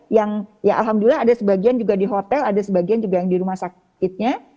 yang ya alhamdulillah ada sebagian juga di hotel ada sebagian juga yang di rumah sakitnya